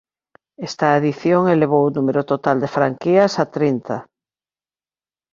Esta adición elevou o número total de franquías a trinta.